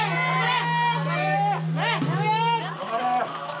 頑張れ。